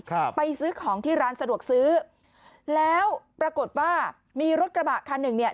ครับไปซื้อของที่ร้านสะดวกซื้อแล้วปรากฏว่ามีรถกระบะคันหนึ่งเนี่ย